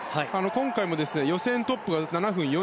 今回も予選トップは７分４４秒。